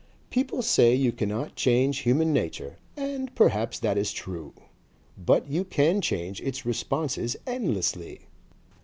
People say you cannot change human nature and perhaps that is true, but you can change its responses endlessly.